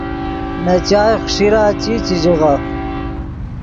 نے چائے خݰیرا چی، چے ژییف